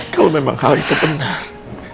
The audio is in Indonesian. kalau memang hal itu benar